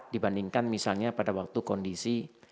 dibandingkan misalnya pada waktu kondisi